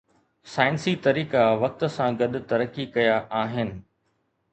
سائنسي طريقا وقت سان گڏ ترقي ڪيا آهن.